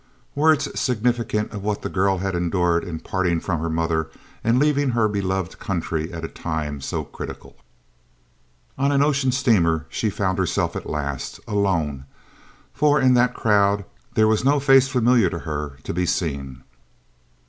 _" Words significant of what the girl had endured in parting from her mother and leaving her beloved country at a time so critical! On an ocean steamer she found herself at last alone, for in that crowd there was no face familiar to her to be seen.